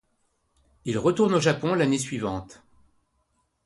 Il retourne au Japon l'année suivante.